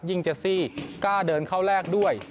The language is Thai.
เจสซี่กล้าเดินเข้าแรกด้วย